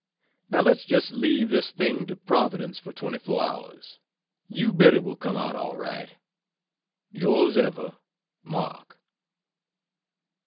Now let's just leave this thing to Providence for 24 hours you bet it will come out all right. Yours ever MARK.